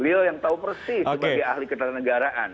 beliau yang tahu persis sebagai ahli ketenteraan negaraan